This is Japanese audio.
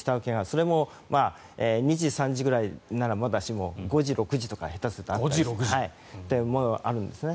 それも２次、３次くらいならまだしも５次、６次とか下手するとあるんですね。